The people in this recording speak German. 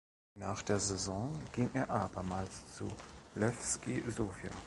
Nach der Saison ging er abermals zu Lewski Sofia.